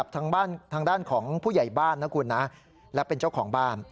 ทางด้านของผู้ใหญ่บ้านนะคุณนะและเป็นเจ้าของบ้าน